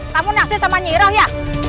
kamu nasib sama nyirah ya